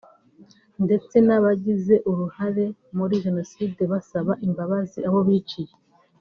ndetse n’abagize uruhare muri Jenoside basaba imbabazi abo biciye